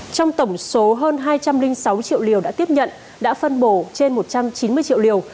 trong tổng số hơn hai trăm linh sáu triệu liều đã tiếp nhận đã phân bổ trên một trăm chín mươi triệu liều